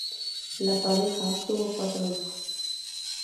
La pareja tuvo cuatro hijos.